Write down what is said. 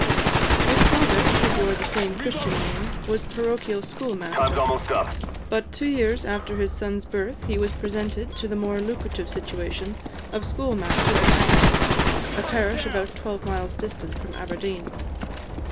His father, who bore the same Christian name, was parochial schoolmaster; but two years after his son's birth, he was presented to the more lucrative situation of schoolmaster of Echt, a parish about twelve miles distant from Aberdeen.